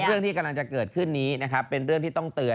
เรื่องที่กำลังจะเกิดขึ้นนี้นะครับเป็นเรื่องที่ต้องเตือน